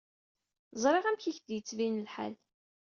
Ẓriɣ amek i k-d-yettbin lḥal.